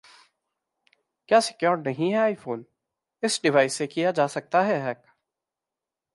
क्या सिक्योर नहीं है iPhone? इस डिवाइस से किया जा सकता है हैक